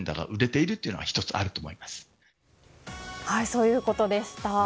そういうことでした。